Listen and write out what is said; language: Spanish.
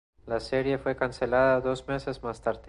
La serie fue cancelada dos meses más tarde.